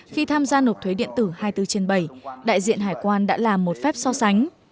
khi tham gia nộp thuế điện tử hai mươi bốn trên bảy đại diện hải quan đã làm một phép so sánh